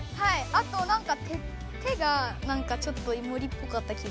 あとなんか手がなんかちょっとイモリっぽかった気がする。